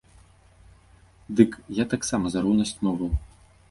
Дык я таксама за роўнасць моваў.